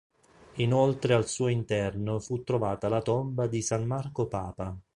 Inoltre al suo interno fu trovata la tomba di San Marco Papa.